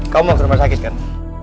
kamu mau ke rumah sakit kan